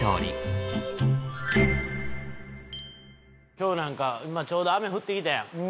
今日なんか今ちょうど雨降ってきたやん。